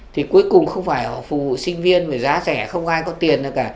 thì cuối cùng không phải họ phục vụ sinh viên với giá rẻ không ai có tiền nào cả